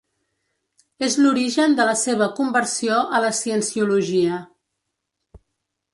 És l'origen de la seva conversió a la Cienciologia.